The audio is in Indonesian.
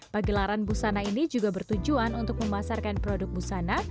pagelaran busana ini juga bertujuan untuk memasarkan produk busana